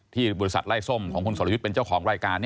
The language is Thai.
บริษัทไล่ส้มของคุณสรยุทธ์เป็นเจ้าของรายการ